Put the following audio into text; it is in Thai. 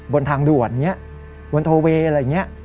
บนทางด่วนนี้บนทอเวย์อะไรอย่างนี้